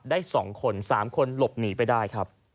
ได้๒คน๓คนหลบหนีไปได้ครับ